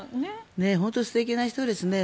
本当に素敵な人ですね。